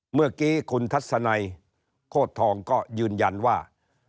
เมื่อกี้คุณทัศนัยโคตรทองก็ยืนยันว่า